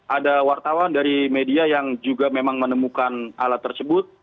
ada wartawan dari media yang juga memang menemukan alat tersebut